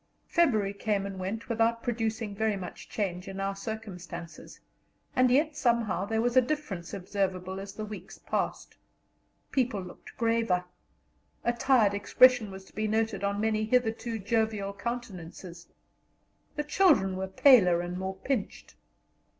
_ February came and went without producing very much change in our circumstances, and yet, somehow, there was a difference observable as the weeks passed. People looked graver; a tired expression was to be noted on many hitherto jovial countenances; the children were paler and more pinched.